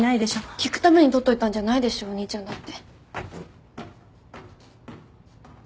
聴くために取っといたんじゃないでしょお兄ちゃんだって。